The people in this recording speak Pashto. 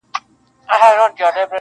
ساقي زده له صراحي مي د زړه رازکی,